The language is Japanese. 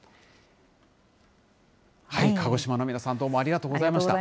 鹿児島の皆さん、どうもありがとうございました。